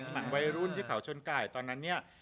หนังวัยรุ่นที่เขาชนไก่ตอนนั้นเนี่ย